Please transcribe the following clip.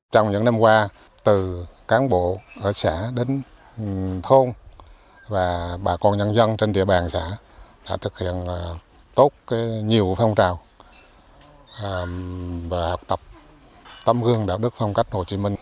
trong những năm qua từ cán bộ ở xã đến thôn và bà con nhân dân trên địa bàn xã đã thực hiện tốt nhiều phong trào và học tập tâm hương đạo đức phong cách hồ chí minh